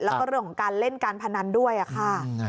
แล้วก็เรื่องของการเล่นการพนันด้วยค่ะ